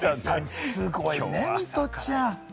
すごいね、ミトちゃん。